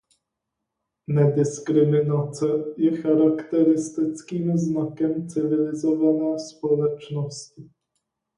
Nediskriminace je charakteristickým znakem civilizované společnosti.